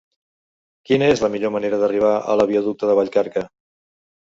Quina és la millor manera d'arribar a la viaducte de Vallcarca?